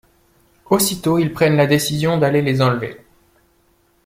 Aussitôt, ils prennent la décision d'aller les enlever.